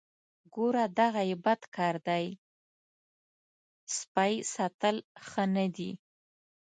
ګوره دغه یې بد کار دی سپی ساتل ښه نه دي.